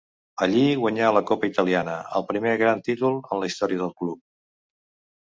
Allí guanyà la copa italiana, el primer gran títol en la història del club.